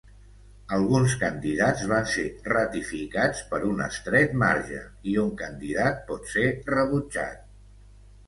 Alguns candidats van ser ratificats per un estret marge i un candidat pot ser rebutjat.